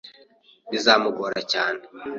Bizamugora cyane.